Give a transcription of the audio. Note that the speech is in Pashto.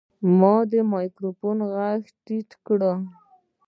ما د مایکروفون غږ ټیون کړ.